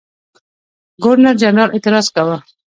ګورنرجنرال اعتراض کاوه.